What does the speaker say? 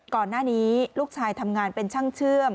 ก่อนหน้านี้ลูกชายทำงานเป็นช่างเชื่อม